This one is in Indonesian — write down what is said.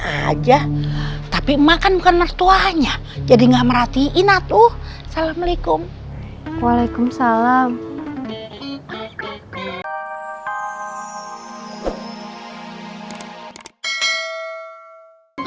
aja tapi makan kan mertuanya jadi enggak merhatiin atuh salamualaikum waalaikumsalam